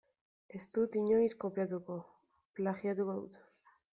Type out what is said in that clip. Ez dut inoiz kopiatuko, plagiatuko dut.